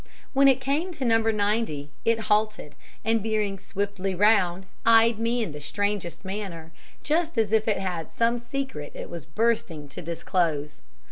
When it came to No. 90 it halted, and veering swiftly round, eyed me in the strangest manner, just as if it had some secret it was bursting to disclose.